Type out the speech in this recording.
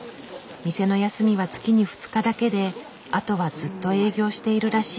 店の休みは月に２日だけであとはずっと営業しているらしい。